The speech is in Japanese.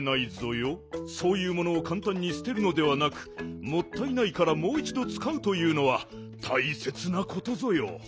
そういうものをかんたんにすてるのではなくもったいないからもういちどつかうというのはたいせつなことぞよ。